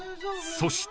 ［そして］